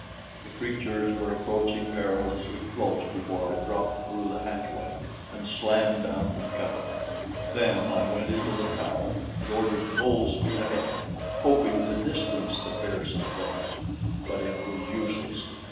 The creatures were approaching perilously close before I dropped through the hatchway and slammed down the cover. Then I went into the tower and ordered full speed ahead, hoping to distance the fearsome things; but it was useless.